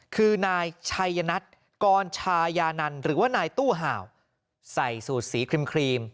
คือนายชัยนัทกรชายานันหรือว่านายตู้ห่าวใส่สูตรสีครีม